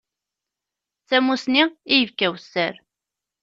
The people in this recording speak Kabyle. D tamusni n yibki awessar.